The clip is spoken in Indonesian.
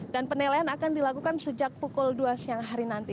dan penilaian akan dilakukan sejak pukul dua siang hari nanti